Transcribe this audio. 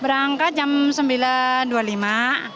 berangkat jam sembilan dua puluh lima